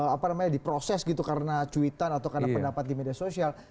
apa namanya diproses gitu karena cuitan atau karena pendapat di media sosial